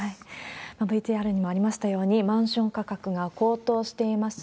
ＶＴＲにもありましたように、マンション価格が高騰しています。